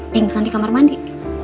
pengsan di kamar mandi